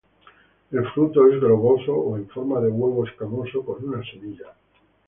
El fruto es globoso o en forma de huevo escamoso con una semilla.